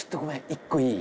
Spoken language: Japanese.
１個いい？